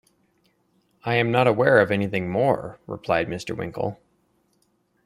‘I am not aware of anything more,’ replied Mr. Winkle.